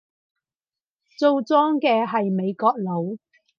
做莊嘅係美國佬